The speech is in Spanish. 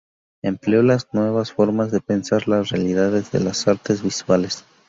Empleó las nuevas formas de pensar la realidad desde las artes visuales.